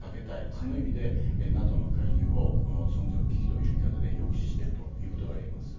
その意味でＮＡＴＯの介入をこの存続危機という言い方で抑止しているということが言えます。